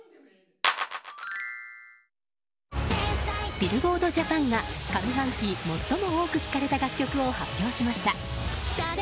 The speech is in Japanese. ビルボードジャパンが上半期、最も多く聴かれた楽曲を発表しました。